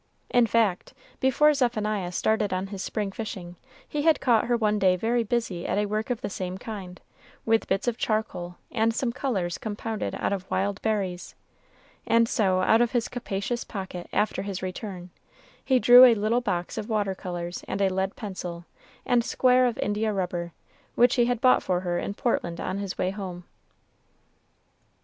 In fact, before Zephaniah started on his spring fishing, he had caught her one day very busy at work of the same kind, with bits of charcoal, and some colors compounded out of wild berries; and so out of his capacious pocket, after his return, he drew a little box of water colors and a lead pencil and square of India rubber, which he had bought for her in Portland on his way home.